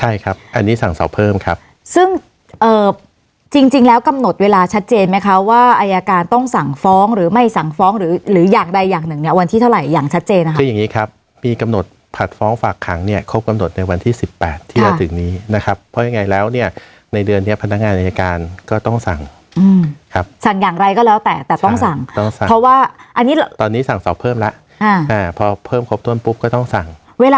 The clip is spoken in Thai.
อย่างชัดเจนนะครับคืออย่างงี้ครับมีกำหนดผลัดฟ้องฝากขังเนี่ยครบกำหนดในวันที่สิบแปดที่จะถึงนี้นะครับเพราะยังไงแล้วเนี่ยในเดือนเนี้ยพนักงานอายการก็ต้องสั่งอืมครับสั่งอย่างไรก็แล้วแต่แต่ต้องสั่งต้องสั่งเพราะว่าอันนี้ตอนนี้สั่งสอบเพิ่มแล้วอ่าพอเพิ่มครบต้นปุ๊บก็ต้อง